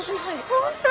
本当？